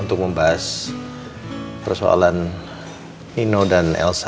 untuk membahas persoalan nino dan elsa